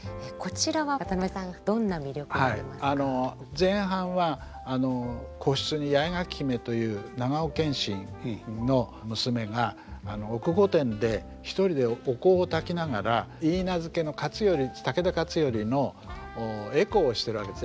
前半は個室に八重垣姫という長尾謙信の娘が奥御殿で一人でお香をたきながらいいなずけの武田勝頼の回向をしてるわけです。